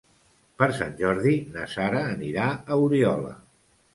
Per Sant Jordi na Sara anirà a Oriola.